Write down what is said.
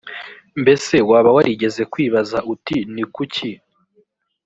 mbese waba warigeze kwibaza uti ni kuki